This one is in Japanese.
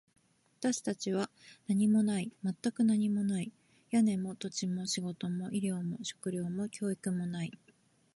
私たちには何もない。全く何もない。屋根も、土地も、仕事も、医療も、食料も、教育もない。